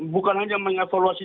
bukan hanya mengevaluasi